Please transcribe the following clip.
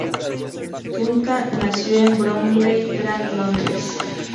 Duncan nació en Bromley, Gran Londres.